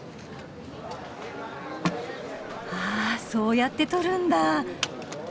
あそうやって取るんだ。